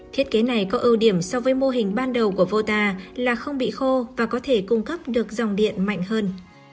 thiết kế này có ưu điểm so với mô hình ban đầu của vota là không bị khô và có thể cung cấp được dòng điện mạnh hơn